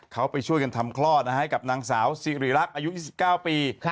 เขาไปช่วยกันทำคลอดให้กับนางสาวสิริรักษ์อายุ๒๙ปี